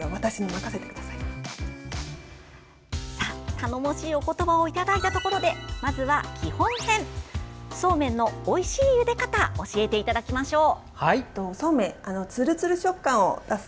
頼もしいお言葉をいただいたところでまずは基本編そうめんのおいしいゆで方教えていただきましょう。